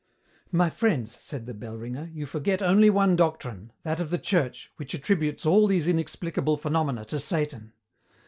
"My friends," said the bell ringer, "you forget only one doctrine, that of the Church, which attributes all these inexplicable phenomena to Satan.